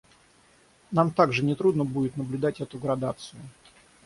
Нам также нетрудно будет наблюдать эту градацию.